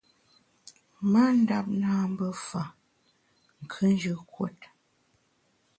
Ma ndap nâ mbe fa, nkùnjù kuot.